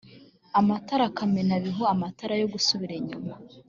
amatara kamenabihu amatara yo gusubira inyuma